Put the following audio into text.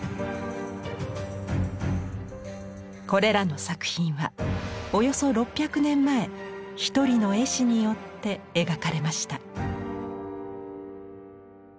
これらの作品はおよそ６００年前一人の絵師によって描かれました。